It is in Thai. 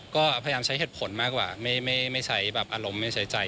ก็พยายามใช้เหตุผลมากกว่าไม่ใช้แบบอารมณ์ไม่ใช้ใจ